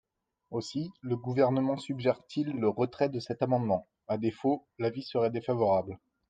Aussi le Gouvernement suggère-t-il le retrait de cet amendement ; à défaut, l’avis serait défavorable.